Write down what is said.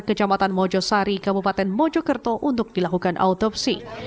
kecamatan mojosari kabupaten mojokerto untuk dilakukan autopsi